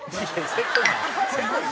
せこいな。